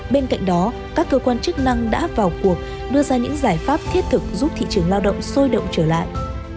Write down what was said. bên cạnh đó các cơ quan chức năng đã vào cuộc đưa ra những giải pháp thiết thực giúp thị trường lao động sôi động trở lại